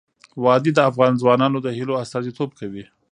وادي د افغان ځوانانو د هیلو استازیتوب کوي.